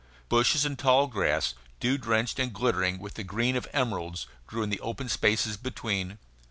Bushes and tall grass, dew drenched and glittering with the green of emeralds, grew in the open spaces between.